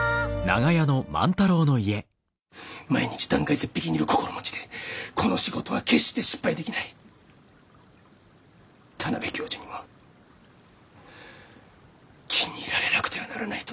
毎日断崖絶壁にいる心持ちでこの仕事は決して失敗できない田邊教授にも気に入られなくてはならないと。